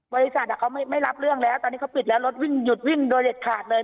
บริษัทเขาไม่รับเรื่องแล้วตอนนี้เขาปิดแล้วรถวิ่งหยุดวิ่งโดยเด็ดขาดเลย